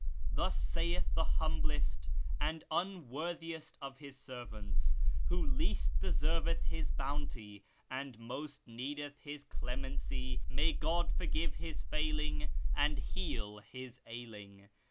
Thus saith the humblest and umoorthiest of His servants, who least descrvcth His Bounty, and most necdeth His Clemency (may God forgive his failing and heal his ailing